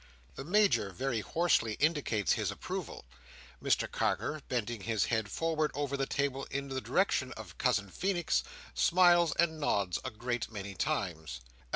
The Major very hoarsely indicates his approval. Mr Carker, bending his head forward over the table in the direction of Cousin Feenix, smiles and nods a great many times.